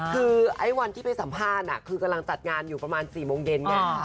คือไอ้วันที่ไปสัมภาษณ์คือกำลังจัดงานอยู่ประมาณ๔โมงเย็นไง